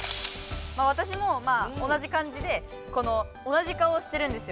私も同じかんじで同じ顔してるんですよ。